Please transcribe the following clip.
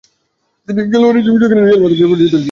তিনি খেলোয়াড় হিসেবেও রিয়াল মাদ্রিদে খেলেছেন।